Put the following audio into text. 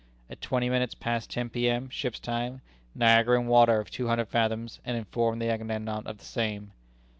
At twenty minutes past ten P.M., ship's time, Niagara in water of two hundred fathoms, and informed the Agamemnon of the same.